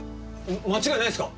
間違いないですか？